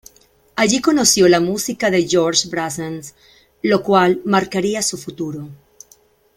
Allí conoció la música de Georges Brassens, lo cual marcaría su futuro.